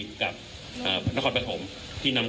คุณผู้ชมไปฟังผู้ว่ารัฐกาลจังหวัดเชียงรายแถลงตอนนี้ค่ะ